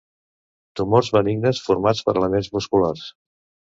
Tumors benignes formats per elements musculars.